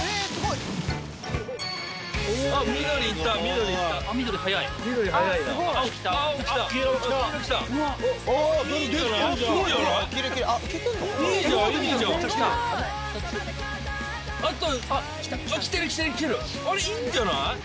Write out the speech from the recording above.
いいんじゃない？